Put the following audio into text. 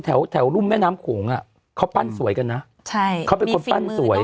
แต่แถวรุ่มแม่น้ำโขงเขาปั้นสวยกันนะ